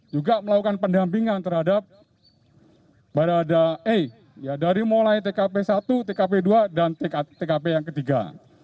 juga melakukan pendampingan terhadap para da e ya dari mulai tkp i tkp ii dan tkp yang ketiga